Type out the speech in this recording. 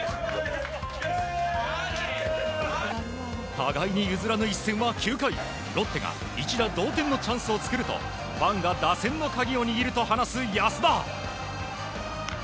互いに譲らぬ一戦は９回ロッテが一打同点のチャンスを作るとファンが打線の鍵を握ると話す安田。